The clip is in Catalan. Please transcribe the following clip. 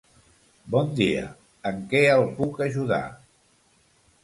Bon dia, en què el puc ajudar?